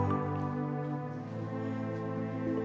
eh eh lu yakin